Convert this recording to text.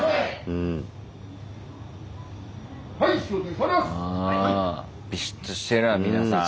うんビシッとしてるわ皆さん。